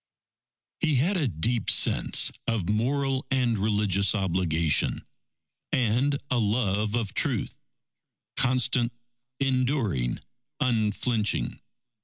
_He had a deep sense of moral and religious obligation, and a love of truth, constant, enduring, unflinching.